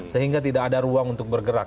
sehingga tidak ada ruang untuk bergerak